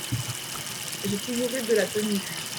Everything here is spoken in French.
J’ai toujours eu de la tenue !